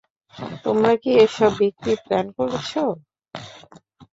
তোমরা কি এসব বিক্রির প্ল্যান করেছ?